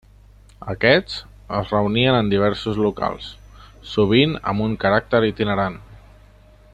Aquests, es reunien en diversos locals, sovint amb un caràcter itinerant.